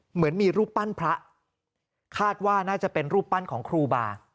เหมือนมีรูปปั้นพระคาดว่าน่าจะเป็นรูปปั้นของครูบา